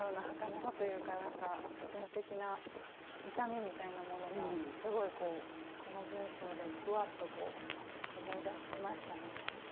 はかなさというか何か刹那的な痛みみたいなものがすごいこうこの文章でぶわっとこう思い出しましたね。